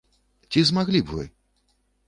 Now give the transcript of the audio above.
Ці змаглі б вы?